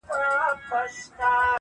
• شرنګاشرنګ به د رباب او د پایل وي -